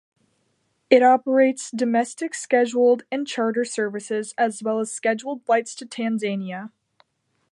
It operates domestic scheduled and charter services, as well as scheduled flights to Tanzania.